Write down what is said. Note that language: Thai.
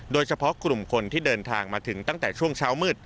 โดยเฉพาะกลุ่มคนที่เดินทางมาถึงตั้งแต่ช่วงเช้ามืด